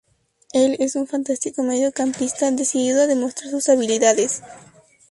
Él es un fantástico medio campista, decidido a demostrar sus habilidades.